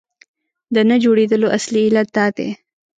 د نه جوړېدلو اصلي علت دا دی.